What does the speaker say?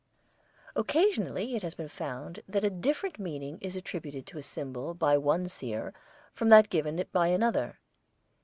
Occasionally it has been found that a different meaning is attributed to a symbol by one seer from that given it by another.